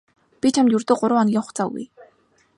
Би чамд ердөө гурав хоногийн хугацаа өгье.